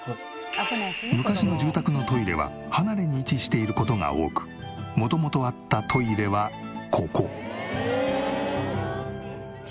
昔の住宅のトイレは離れに位置している事が多く元々あったトイレはここ。